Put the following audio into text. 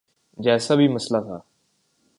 جیسا بھی مسئلہ تھا۔